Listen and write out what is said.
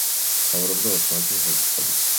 მთავრობდა ოსმალთა ხელშეწყობით.